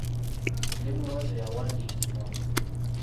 Ndi mulonzi eyawandiikibwa.